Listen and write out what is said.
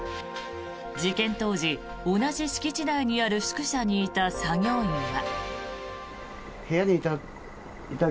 事件当時、同じ敷地内にある宿舎にいた作業員は。